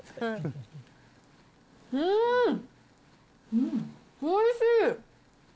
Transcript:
うーん、おいしい。